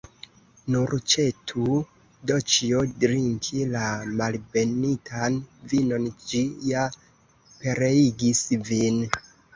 Nur ĉesu, Doĉjo, drinki la malbenitan vinon; ĝi ja pereigis vin!